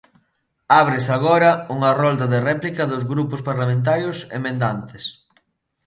Ábrese agora unha rolda de réplica dos grupos parlamentarios emendantes.